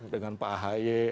dengan pak hayek